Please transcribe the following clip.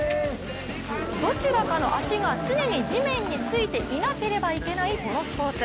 どちらかの足が常に地面についていなければいけないこのスポーツ。